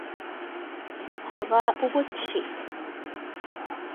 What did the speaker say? هغه اوبه څښي